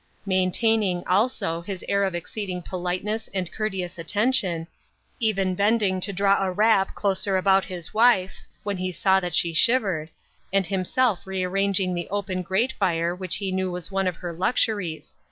Maintaining, also, his air of exceeding politeness and courteous attention, even bending to draw a wrap closer about his wife, when he saw that she shivered, and himself rearranging the open "W. C. T. U." I31 grate fire which he knew was one of her luxuries.